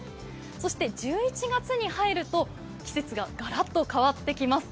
そして１１月に入ると、季節がガラッと変わってきます。